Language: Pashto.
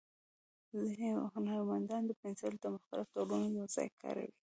ځینې هنرمندان د پنسل مختلف ډولونه یو ځای کاروي.